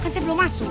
kan saya belum masuk